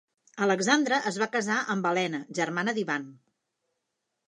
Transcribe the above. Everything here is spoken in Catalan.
Alexandre es va casar amb Elena, germana d'Ivan.